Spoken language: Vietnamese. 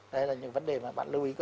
đấy là những vấn đề mà bạn lưu ý